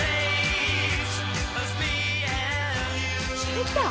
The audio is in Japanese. できた！